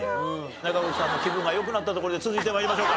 中越さんの気分が良くなったところで続いて参りましょうか。